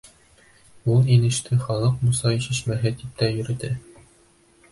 Ул инеште халыҡ «Муса шишмәһе» тип тә йөрөтә.